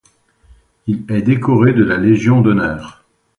Il est décoré de la Légion d’honneur.